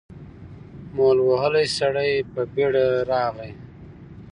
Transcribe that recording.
مول وهلی سړی په بېړه راغی.